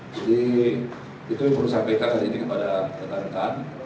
jadi itu yang perlu disampaikan hari ini kepada tni